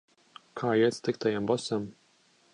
Kā iet sliktajam bosam?